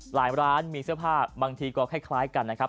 ร้านมีเสื้อผ้าบางทีก็คล้ายกันนะครับ